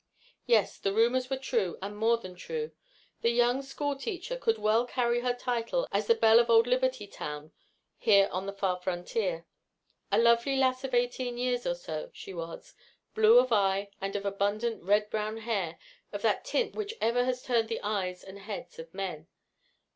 Yes, the rumors were true, and more than true. The young school teacher could well carry her title as the belle of old Liberty town here on the far frontier. A lovely lass of eighteen years or so, she was, blue of eye and of abundant red brown hair of that tint which ever has turned the eyes and heads of men.